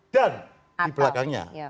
dan di belakangnya